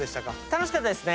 楽しかったですね。